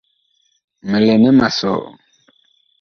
Mi lɛ nɛ ma sɔ ?